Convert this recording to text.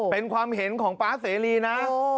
เป็นความเห็นของป๊าเสรีนะ